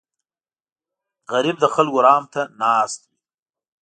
غریب د خلکو رحم ته ناست وي